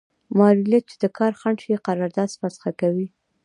معلولیت چې د کار خنډ شي قرارداد فسخه کوي.